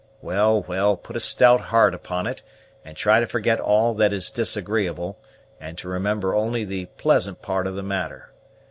Well, well, put a stout heart upon it, and try to forget all that is disagreeable, and to remember only the pleasant part of the matter.